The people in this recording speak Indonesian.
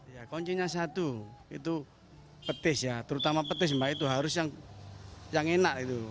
ya kuncinya satu itu petis ya terutama petis mbak itu harus yang enak